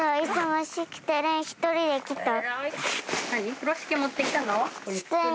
風呂敷持って来たの？